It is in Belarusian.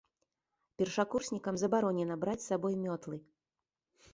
Першакурснікам забаронена браць з сабой мётлы.